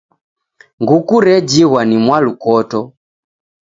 Nguku rejighwa ni mwalukoto.